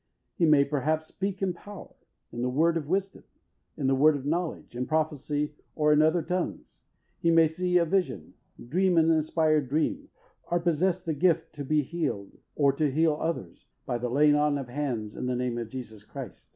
He may perhaps speak in power, in the word of wisdom, in the word of knowledge, in prophecy, or in other tongues. He may see a vision, dream an inspired dream, or possess the gift to be healed, or to heal others, by the laying on of hands in the name of Jesus Christ.